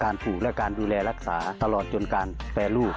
ปู่และการดูแลรักษาตลอดจนการแปรรูป